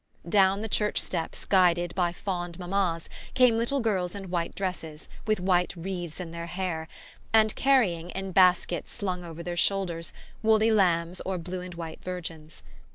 Down the church steps, guided by fond mammas, came little girls in white dresses, with white wreaths in their hair, and carrying, in baskets slung over their shoulders, woolly lambs or blue and white Virgins.